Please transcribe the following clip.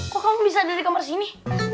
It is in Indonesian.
kok kamu bisa dari kamar sini